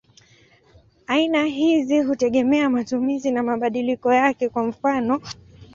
Aina hizi hutegemea matumizi na mabadiliko yake; kwa mfano.